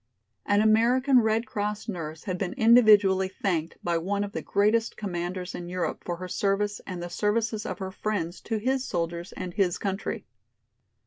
An American Red Cross nurse had been individually thanked by one of the greatest commanders in Europe for her service and the services of her friends to his soldiers and his country.